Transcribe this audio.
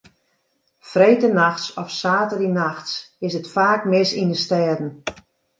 Freedtenachts of saterdeitenachts is it faak mis yn de stêden.